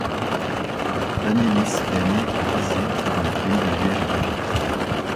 Daniélis est né à Visé dans le pays de Liège en Belgique.